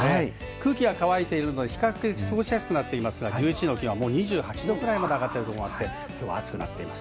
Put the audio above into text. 空気が乾いているので、比較的過ごしやすくなっていますが、１１時の気温はもう２８度ぐらいまで上がってるとこがあって、きょうは暑くなっています。